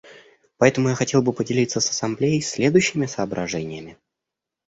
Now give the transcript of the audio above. Поэтому я хотел бы поделиться с Ассамблеей следующими соображениями.